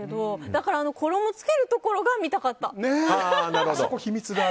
だから衣つけるところが見たかった。